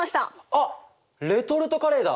あっレトルトカレーだ！